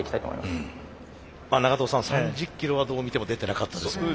長藤さん３０キロはどう見ても出てなかったですよね。